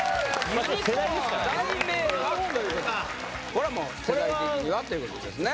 これはもう世代的にはということですね